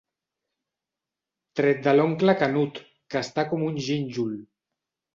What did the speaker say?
Tret de l'oncle Canut, que està com un gínjol.